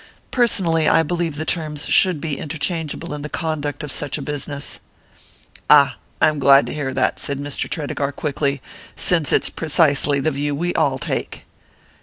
Personally, I believe the terms should be interchangeable in the conduct of such a business." "Ah I'm glad to hear that," said Mr. Tredegar quickly, "since it's precisely the view we all take."